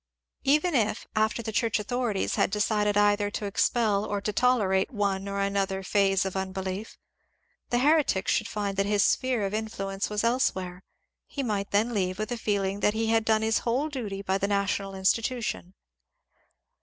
Even if, after the church authorities had decided either to expel or to tolerate one or another phase of unbelief, the heretic should find that his sphere of influence was elsewhere, he might then leave with a feeling that he had done his whole duty by the national institution.